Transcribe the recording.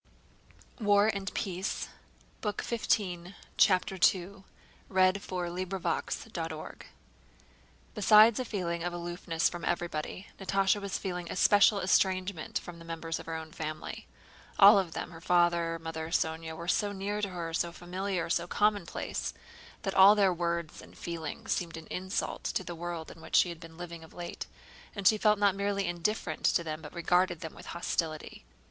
about Peter Ilýnich... a letter," she finished with a sob. CHAPTER II Besides a feeling of aloofness from everybody Natásha was feeling a special estrangement from the members of her own family. All of them—her father, mother, and Sónya—were so near to her, so familiar, so commonplace, that all their words and feelings seemed an insult to the world in which she had been living of late, and she felt not merely indifferent to them but regarded them with hostility.